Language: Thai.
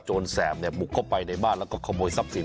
แสบเนี่ยบุกเข้าไปในบ้านแล้วก็ขโมยทรัพย์สิน